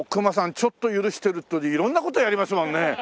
ちょっと許してると色んな事やりますもんね。